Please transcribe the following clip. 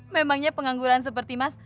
memangnya pengangguran seperti mas